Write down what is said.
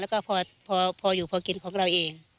แล้วก็พออยู่พอกินของเราเอง